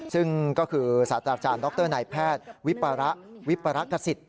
ซึ่งก็คือสัตว์อาจารย์ดรไนท์แพทย์วิปาระกษิต